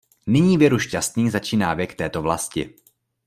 Nyní věru šťastný začíná věk této vlasti.